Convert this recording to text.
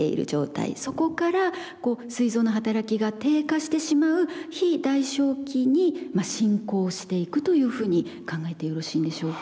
そこからこうすい臓の働きが低下してしまう非代償期に進行していくというふうに考えてよろしいんでしょうか。